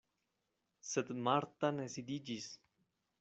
Sed Marta ne sidiĝis.